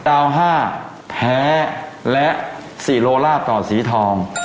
เดา๕แท้และ๔โลลากราษต่อสีทอง